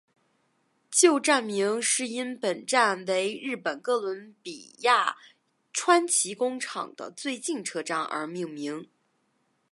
旧站名是因本站为日本哥伦比亚川崎工厂的最近车站而命名。